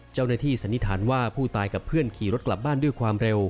สันนิษฐานว่าผู้ตายกับเพื่อนขี่รถกลับบ้านด้วยความเร็ว